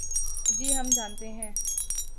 جی ہم جانتے ہیں۔